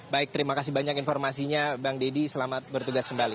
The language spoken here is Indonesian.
baik terima kasih banyak informasinya bang deddy selamat bertugas kembali